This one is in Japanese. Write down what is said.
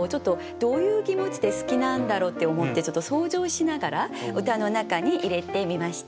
どういう気持ちで好きなんだろうって思って想像しながら歌の中に入れてみました。